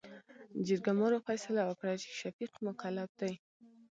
جرګمارو فيصله وکړه چې، شفيق مکلف دى.